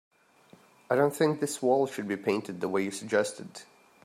I don't think this wall should be painted the way you suggested.